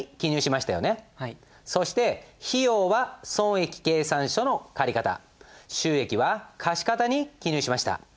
そして費用は損益計算書の借方収益は貸方に記入しました。